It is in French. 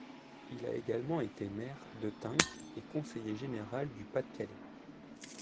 Il a également été maire de Tincques et conseiller général du Pas-de-Calais.